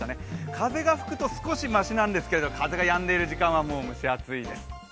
風が吹くと少しましなんですけれども風がやんでいる時間はもう蒸し暑いです。